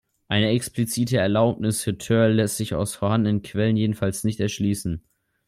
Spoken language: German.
Eine explizite Erlaubnis für Thörl lässt sich aus den vorhandenen Quellen jedenfalls nicht erschließen.